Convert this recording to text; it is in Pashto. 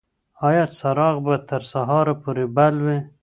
ایا څراغ به تر سهار پورې بل وي؟